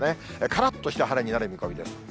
からっとした晴れになる見込みです。